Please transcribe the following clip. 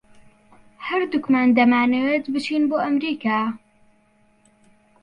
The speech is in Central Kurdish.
ھەردووکمان دەمانەوێت بچین بۆ ئەمریکا.